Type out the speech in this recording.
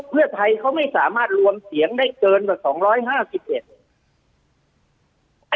เพื่อไทยเขาไม่สามารถรวมเสียงได้เกินกว่า๒๕๑